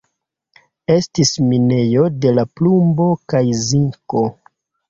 Estis minejo de plumbo kaj zinko.